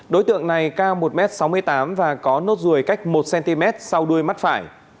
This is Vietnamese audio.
đối tượng này cao một m sáu mươi tám và có nốt ruồi cách một cm sau đuôi mắt phải